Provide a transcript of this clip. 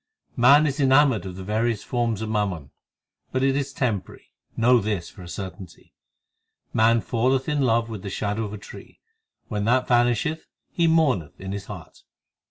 3 Man is enamoured of the various forms of mammon, But it is temporary ; know this for a certainty. Man falleth in love with the shadow of a tree : When that vanisheth he mourneth in his heart.